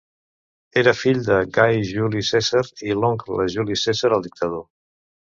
Era fill de Gai Juli Cèsar i oncle de Juli Cèsar el dictador.